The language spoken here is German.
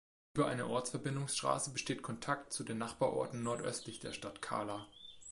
Über eine Ortsverbindungsstraße besteht Kontakt zu den Nachbarorten nordöstlich der Stadt Kahla.